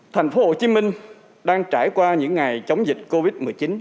thành phố hồ chí minh đang trải qua những ngày chống dịch covid một mươi chín